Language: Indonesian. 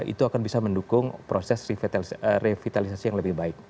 itu akan bisa mendukung proses revitalisasi yang lebih baik